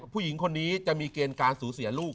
ผู้หญิงจะมีเกณฑ์การศูเสียลูก